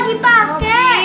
kita lagi pakai